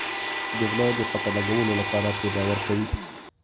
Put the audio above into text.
د غله د پته لګولو لپاره پرې باور کوي.